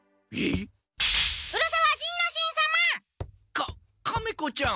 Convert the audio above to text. カカメ子ちゃん。